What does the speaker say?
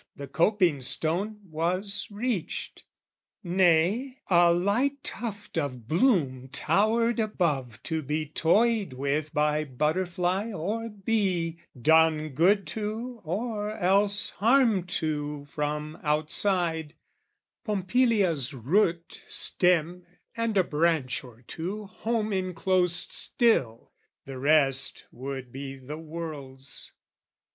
The coping stone was reached; Nay, a light tuft of bloom towered above To be toyed with by butterfly or bee, Done good to or else harm to from outside: Pompilia's root, stem, and a branch or two Home enclosed still, the rest would be the world's.